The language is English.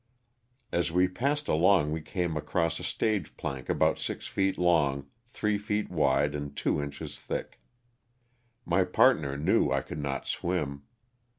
As we passed along we came across a stage plank about six feet long, three feet wide and two inches thick. My partner knew I could not swim.